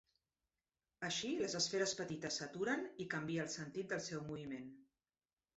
Així les esferes petites s'aturen i canvia el sentit del seu moviment.